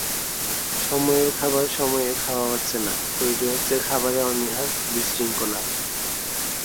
সময়ের খাবার সময়ে খাওয়া হচ্ছে না, তৈরি হচ্ছে খাবারে অনীহা, বিশৃঙ্খলা।